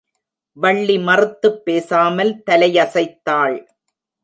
வள்ளி மறுத்துப் பேசாமல் தலையசைத்தாள்.